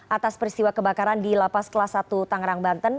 atas peristiwa kebakaran di lapas kelas satu tangerang banten